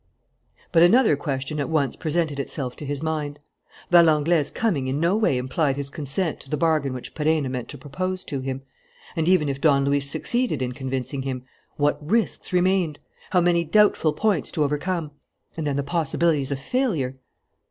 But another question at once presented itself to his mind. Valenglay's coming in no way implied his consent to the bargain which Perenna meant to propose to him. And even if Don Luis succeeded in convincing him, what risks remained! How many doubtful points to overcome! And then the possibilities of failure!